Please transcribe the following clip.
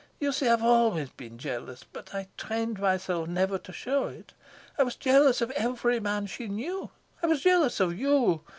You see, I've always been jealous, but I trained myself never to show it; I was jealous of every man she knew; I was jealous of you.